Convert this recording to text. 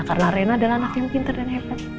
karena reina adalah anak yang pinter dan hebat